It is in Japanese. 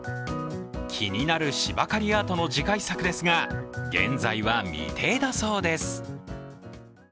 気になる芝刈りアートの次回作ですが、現在は未定だそうです。